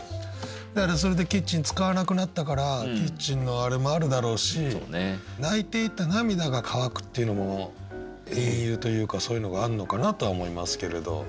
だからそれでキッチン使わなくなったからキッチンのあれもあるだろうし泣いていた涙が乾くっていうのも隠喩というかそういうのがあんのかなとは思いますけれど。